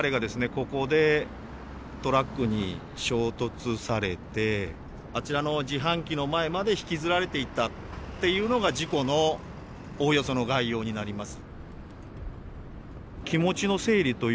ここでトラックに衝突されてあちらの自販機の前まで引きずられていったっていうのが事故のおおよその概要になります。